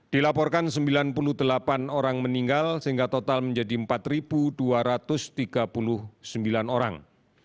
dilaporkan sembilan puluh delapan orang meninggal sehingga total menjadi empat dua ratus tiga puluh sembilan orang